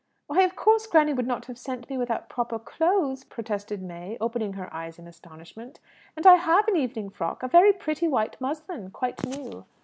"Why, of course granny would not have sent me without proper clothes!" protested May, opening her eyes in astonishment. "And I have an evening frock a very pretty white muslin, quite new."